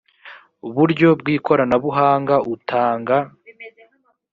buryo bw ikoranabuhanga utanga